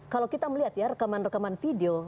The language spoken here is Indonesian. kalau kita melihat ya rekaman rekaman video